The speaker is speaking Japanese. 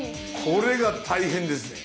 これが大変ですね！